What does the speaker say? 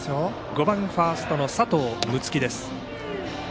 ５番、ファーストの佐藤夢樹です。